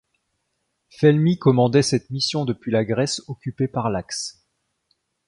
Felmy commandait cette mission depuis la Grèce occupée par l'Axe.